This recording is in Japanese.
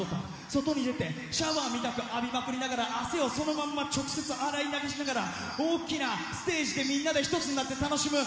外に出てシャワーみたく浴びまくりながら汗をそのまま直接洗い流しながら大きなステージでみんなで一つになって楽しむ。